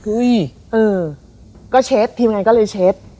เฮ้ยเออก็เช็ดทีมงานก็เลยเช็ด